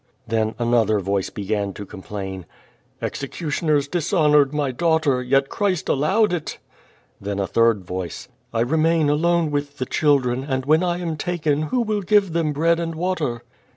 Then another voice "began to complain: 'Executioners dishonored my daughter, yet Christ al lowed it." Theo a third voice: QUO VADIS. 387 *T remain alone with the childi'en, and when I am taken who will give them bread and water?